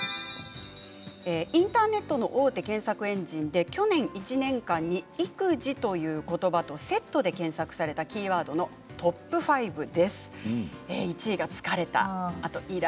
インターネットの大手検索エンジンで去年１年間に育児ということばとセットで検索されたキーワードのトップファイブです。